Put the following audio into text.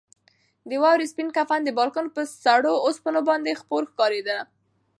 د واورې سپین کفن د بالکن پر سړو اوسپنو باندې خپور ښکارېده.